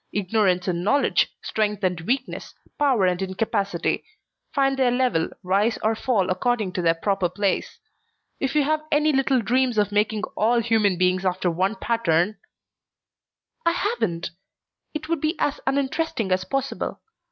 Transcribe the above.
Ignorance and knowledge, strength and weakness, power and incapacity, find their level, rise or fall according to their proper place. If you have any little dreams of making all human beings after one pattern " "I haven't. It would be as uninteresting as impossible.